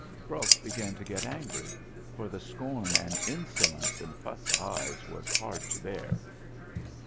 Brok began to get angry, for the scorn and insolence in Phutt's eye was hard to bear.